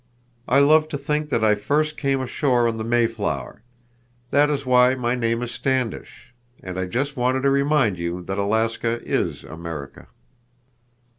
I love to think that I first came ashore in the Mayflower. That is why my name is Standish. And I just wanted to remind you that Alaska is America."